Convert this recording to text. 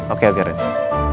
oke agar itu